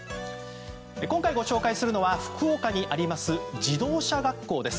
今回ご紹介するのは福岡にあります自動車学校です。